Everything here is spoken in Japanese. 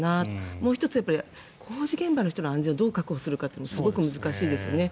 もう１つ、工事現場の人の安全をどう確保するかもすごく難しいですよね。